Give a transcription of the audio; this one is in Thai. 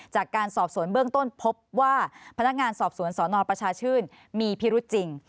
จากการสอบสวนเบื้องต้นพบว่าพนักงานสอบสวนสนประชาชื่นมีพิรุษจริง